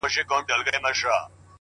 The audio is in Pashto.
• ځینی تور دي ځینی خړ ځینی سپېره دي ,